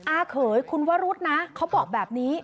อาเขยคุณวรุษนะเขาบอกแบบนี้